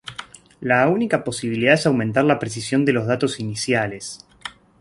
La única posibilidad es aumentar la precisión de los datos iniciales.